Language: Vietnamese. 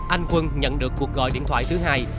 anh quân nhận được cuộc gọi điện thoại thứ hai